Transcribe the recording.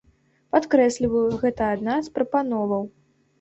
Падкрэсліваю, гэта адна з прапановаў.